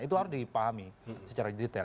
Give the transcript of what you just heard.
itu harus dipahami secara detail